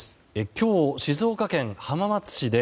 今日、静岡県浜松市で